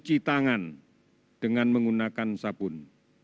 cuci tangan dengan menggunakan sabun